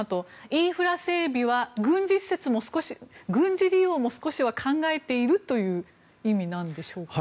インフラ整備は軍事施設も少し軍事利用も少しは考えているということなんでしょうか。